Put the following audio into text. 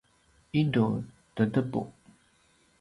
idu tedepu